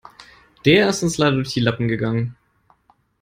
Der ist uns leider durch die Lappen gegangen.